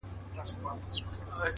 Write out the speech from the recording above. پرون مي ستا په ياد كي شپه رڼه كړه-